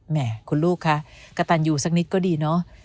แม่คุณลูกคะกระตันอยู่สักนิดก็ดีเนอะ